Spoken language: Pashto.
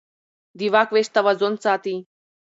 د واک وېش توازن ساتي